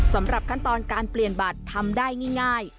สำหรับขั้นตอนการเปลี่ยนบัตรทำได้ง่าย